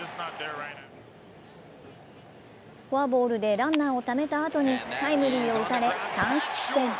フォアボールでランナーをためたあとにタイムリーを打たれ３失点。